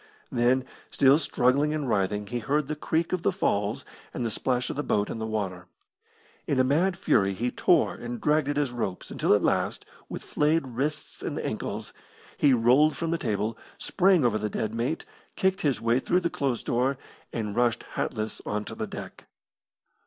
Then, still struggling and writhing, he heard the creak of the falls and the splash of the boat in the water. In a mad fury he tore and dragged at his ropes, until at last, with flayed wrists and ankles, he rolled from the table, sprang over the dead mate, kicked his way through the closed door, and rushed hatless on to the deck.